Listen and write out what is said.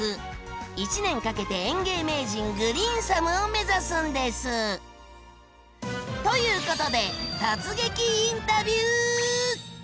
１年かけて園芸名人「グリーンサム」を目指すんです！ということで突撃インタビュー！